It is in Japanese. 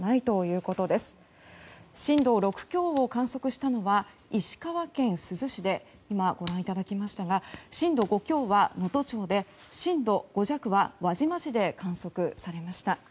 震度６強を観測したのは石川県珠洲市で今、ご覧いただきましたが震度５強は能登町で震度５弱は輪島市で観測されました。